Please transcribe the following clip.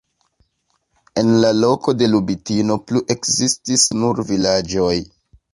En la loko de Lubitino plu ekzistis nur vilaĝoj.